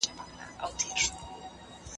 زه له سهاره سړو ته خواړه ورکوم!